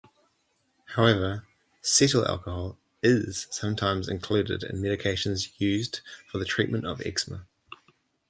However, cetyl alcohol "is" sometimes included in medications used for the treatment of eczema.